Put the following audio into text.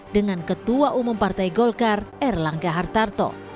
dengan ketua umum partai golkar erlangga hartarto